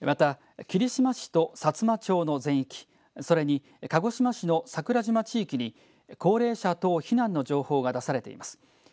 また霧島市とさつま町の全域それに鹿児島市の桜島地域に高齢者等避難の情報が出されています。